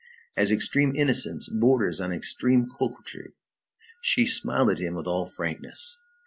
As extreme innocence borders on extreme coquetry, she smiled at him with all frankness.